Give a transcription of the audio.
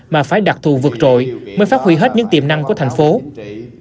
mà phải đặc thù vượt trội mới phát huy hết những tiềm năng của tp hcm